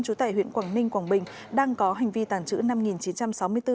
trú tại huyện quảng ninh quảng bình đang có hành vi tàn trữ